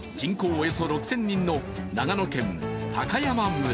およそ６０００人の長野県高山村。